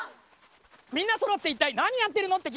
みんなそろっていったいなにやってるの？